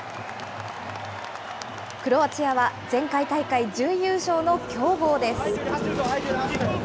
クロアチアは、前回大会準優勝の強豪です。